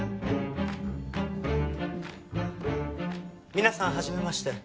皆さんはじめまして。